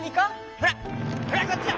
ほらほらこっちだ。